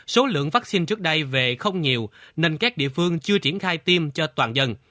số lượng vaccine trước đây về không nhiều nên các địa phương chưa triển khai tiêm cho toàn dân